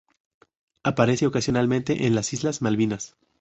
Aparece ocasionalmente en las Islas Malvinas.